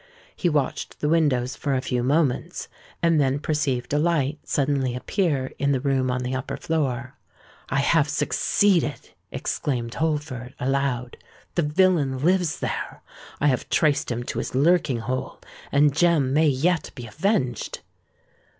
He watched the windows for a few moments, and then perceived a light suddenly appear in the room on the upper floor. "I have succeeded!" exclaimed Holford, aloud, "the villain lives there! I have traced him to his lurking hole; and Jem may yet be avenged!"